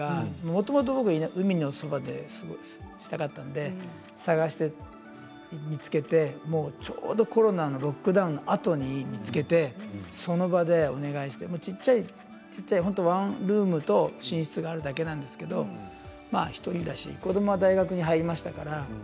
もともと僕は海のそばで過ごしたかったので探して、見つけてちょうど、コロナのロックダウン後に見つけてその場でお願いして小っちゃい、本当にワンルームと寝室があるだけなんですけれど１人ですし子どもは大学に入りましたから。